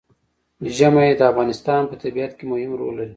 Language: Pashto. ژمی د افغانستان په طبیعت کې مهم رول لري.